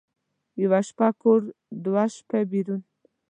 یوه شپه کور، دوه شپه بېرون.